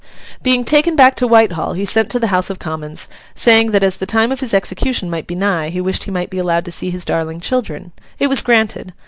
Being taken back to Whitehall, he sent to the House of Commons, saying that as the time of his execution might be nigh, he wished he might be allowed to see his darling children. It was granted.